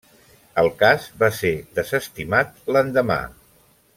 El cas va ser desestimat l'endemà.